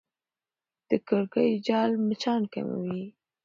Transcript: د کړکۍ جال مچان کموي.